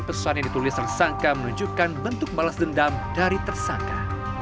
pesan yang ditulis tersangka menunjukkan bentuk balas dendam dari tersangka